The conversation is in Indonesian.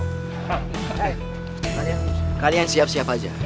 hei kalian siap siap aja